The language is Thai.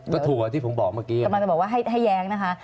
ก็ถูกกว่าที่ผมบอกเมื่อกี้มันบอกว่าให้แย้งนะคะ